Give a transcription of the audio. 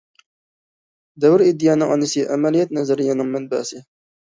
دەۋر ئىدىيەنىڭ ئانىسى، ئەمەلىيەت نەزەرىيەنىڭ مەنبەسى.